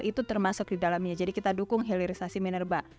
itu termasuk di dalamnya jadi kita dukung hilirisasi minerba